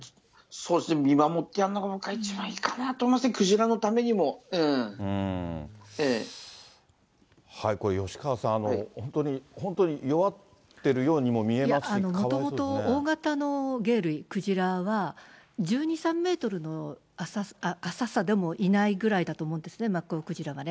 そうですね、見守ってやるのが僕は一番いいかなと思いますね、これ、吉川さん、本当に弱っているようにも見えますし、もともと大型の鯨類、クジラは１２、３メートルの浅さでもいないと思うんですね、マッコウクジラはね。